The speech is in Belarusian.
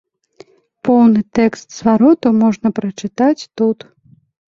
Поўны тэкст звароту можна прачытаць тут.